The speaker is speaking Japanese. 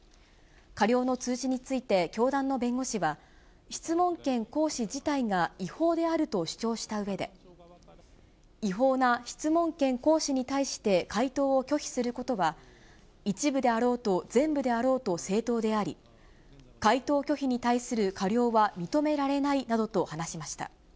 過料の通知について、教団の弁護士は、質問権行使自体が違法であると主張したうえで、違法な質問権行使に対して、回答を拒否することは、一部であろうと全部であろうと正当であり、回答拒否に対する過料は認められないなどと話しました。